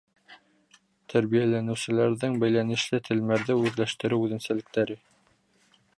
Тәрбиәләнеүселәрҙең бәйләнешле телмәрҙе үҙләштереү үҙенсәлектәре.